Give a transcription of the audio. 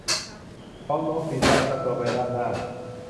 พร้อมโน้มศีรษะและลำตัวไปด้านหน้า